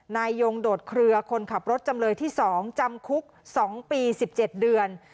นายยงโดดเคลือคนขับรถจำเลยที่๒จำคุก๒ปี๑๗เดือน